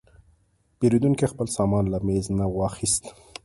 پیرودونکی خپل سامان له میز نه واخیست.